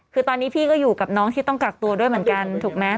คือตอนนี้พี่ก็อยู่กับน้องที่ต้องกักตัวด้วยเหมือนกันถูกไหม